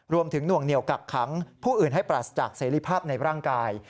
รวมถึงหนวงเหนี่ยวกากคั้งผู้อื่นให้ปลาศจากส่วยริภาพในร่างกาย